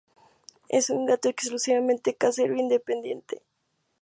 Es un gato exclusivamente casero y dependiente.